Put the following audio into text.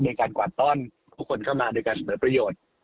ในการกวาดต้อนผู้คนเข้ามาโดยการเสนอประโยชน์